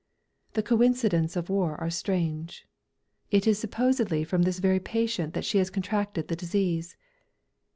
The coincidents of war are strange! It is supposedly from this very patient that she has contracted the disease.